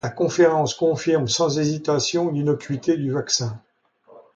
La conférence confirme sans hésitation l'innocuité du vaccin.